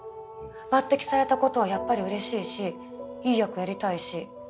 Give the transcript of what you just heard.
抜てきされたことはやっぱりうれしいしいい役やりたいし。